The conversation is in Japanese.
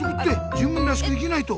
自分らしく生きないと！